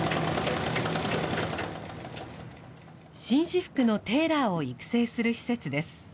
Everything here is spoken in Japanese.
紳士服のテーラーを育成する施設です。